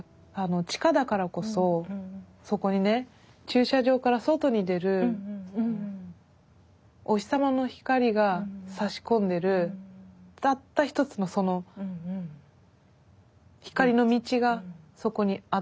地下だからこそそこにね駐車場から外に出るお日様の光がさし込んでるたった一つのその光の道がそこにあったんです。